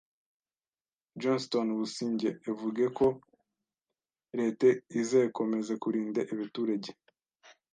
Johnston Busingye evuge ko Lete izekomeze kurinde ebeturege